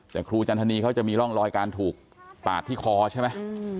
แต่ครูจันทนีเขาจะมีร่องรอยการถูกปาดที่คอใช่ไหม